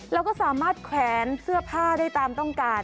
แล้วก็สามารถแขวนเสื้อผ้าได้ตามต้องการ